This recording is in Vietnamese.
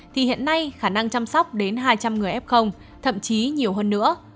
thì hiện nay khả năng chăm sóc đến hai trăm linh người f thậm chí nhiều hơn nữa